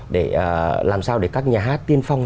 để làm sao để các nhà hát tiên phong